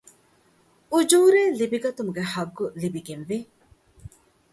އުޖޫރައެއް ލިބިގަތުމުގެ ޙައްޤު ލިބިގެން ވޭ